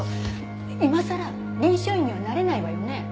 今さら臨床医にはなれないわよね？